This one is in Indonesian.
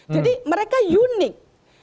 jadi mereka unik